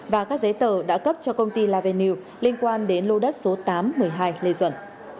và các giấy tờ đã cấp cho công ty laven news liên quan đến lô đất số tám một mươi hai lê duẩn